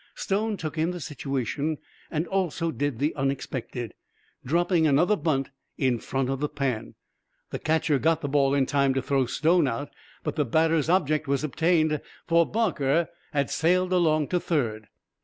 Stone took in the situation and also did the unexpected, dropping another bunt in front of the pan. The catcher got the ball in time to throw Stone out, but the batter's object was obtained, for Barker had sailed along to third.